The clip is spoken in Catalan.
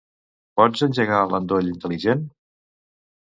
Pots engegar l'endoll intel·ligent?